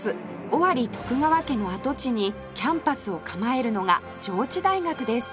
尾張徳川家の跡地にキャンパスを構えるのが上智大学です